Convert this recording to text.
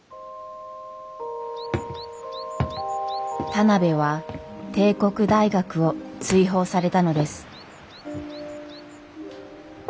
田邊は帝国大学を追放されたのです。